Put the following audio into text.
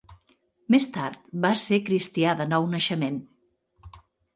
Més tard va ser cristià de nou naixement.